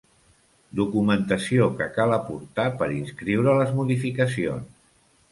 Documentació que cal aportar per inscriure les modificacions.